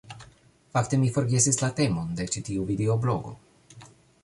Fakte mi forgesis la temon de ĉi tiu videoblogo.